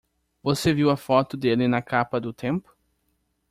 Você viu a foto dele na capa do Tempo?